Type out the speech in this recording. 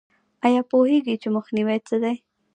ایا پوهیږئ چې مخنیوی څه دی؟